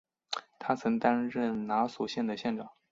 他曾经担任拿索县的县长。